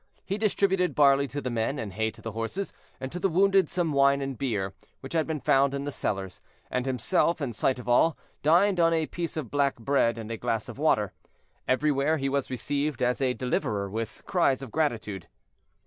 He distributed barley to the men, and hay to the horses, and to the wounded some wine and beer, which had been found in the cellars, and himself, in sight of all, dined on a piece of black bread and a glass of water. Everywhere he was received as a deliverer with cries of gratitude.